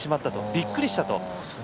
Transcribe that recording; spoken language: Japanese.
びっくりしたと。